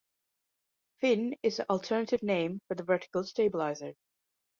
Fin is an alternative name for the vertical stabilizer.